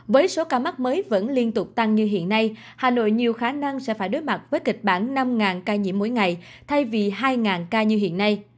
với số ca mắc mới vẫn liên tục tăng như hiện nay hà nội nhiều khả năng sẽ phải đối mặt với kịch bản năm ca nhiễm mỗi ngày thay vì hai ca như hiện nay